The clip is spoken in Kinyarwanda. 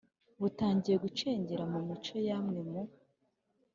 butangiye gucengera mu mico y'amwe mu